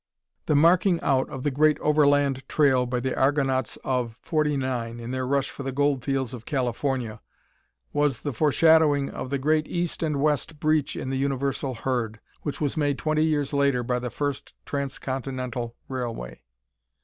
The marking out of the great overland trail by the Argonauts of '49 in their rush for the gold fields of California was the foreshadowing of the great east and west breach in the universal herd, which was made twenty years later by the first transcontinental railway.